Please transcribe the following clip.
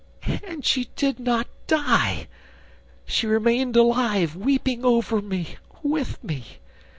... And she did not die! ... She remained alive, weeping over me, with me.